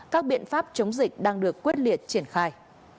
các biện pháp chống dịch đang được quyết liệt triển khai